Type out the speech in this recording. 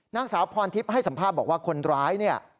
นางสาวพรทิพย์ให้สัมภาษณ์บอกว่าคนร้ายเนี่ย